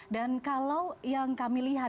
dan kalau yang kami lihat